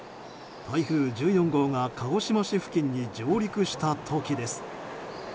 台風１４号が鹿児島市付近に上陸した時です。